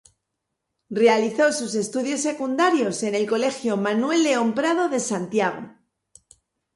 Realizó sus estudios secundarios en el Colegio Manuel León Prado de Santiago.